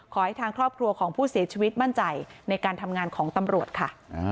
ทางครอบครัวของผู้เสียชีวิตมั่นใจในการทำงานของตำรวจค่ะ